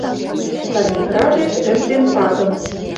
Сталинградеш ӹштен падым